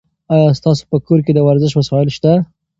ایا ستاسو په کور کې د ورزش وسایل شته؟